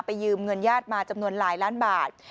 ยืมเงินญาติมาจำนวนหลายล้านบาท